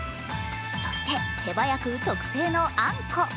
そして手早く、特製のあんこ。